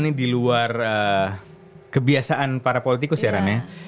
nih diluar kebiasaan para politikus ya rania